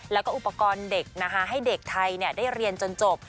และอุปกรณ์เด็กให้เด็กไทยได้เรียนจนจบ